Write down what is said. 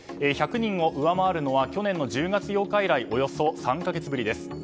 １００人を上回るのは去年の１０月８日以来３か月ぶりです。